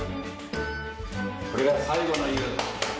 これが最後の湯。